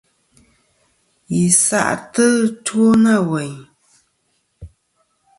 Yi sa'tɨ ɨtwo na weyn.